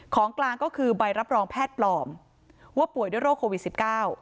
ของกลางก็คือใบรับรองแพทย์ปลอมว่าป่วยด้วยโรคโควิดสิบเก้า